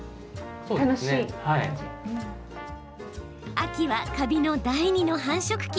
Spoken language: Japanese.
秋はカビの第二の繁殖期。